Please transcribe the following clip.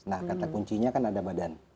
nah kata kuncinya kan ada badan